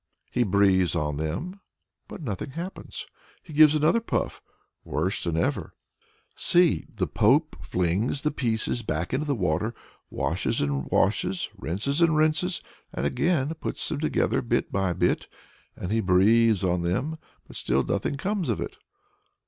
He breathes on them but nothing happens! He gives another puff worse than ever! See, the Pope flings the pieces back again into the water, washes and washes, rinses and rinses, and again puts them together bit by bit. Again he breathes on them but still nothing comes of it.